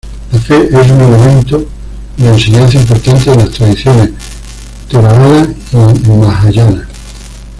La fe es un elemento de enseñanza importante en las tradiciones Theravada y Mahayana.